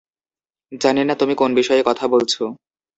জানি না তুমি কোন বিষয়ে কথা বলছ।